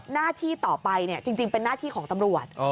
หน้าที่ต่อไปจริงเป็นหน้าที่ของตำรวจ